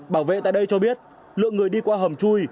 bảo vệ tại đây cho biết lượng người đi qua hầm chui